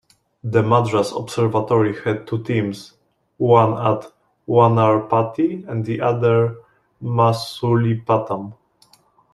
The Madras Observatory had two teams, one at Wanarpati and the other Masulipatam.